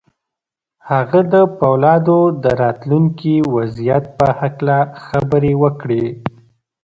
هغه د پولادو د راتلونکي وضعيت په هکله خبرې وکړې.